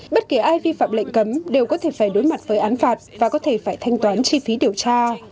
bất kỳ ai vi phạm lệnh cấm đều có thể phải đối mặt với án phạt và có thể phải thanh toán chi phí điều tra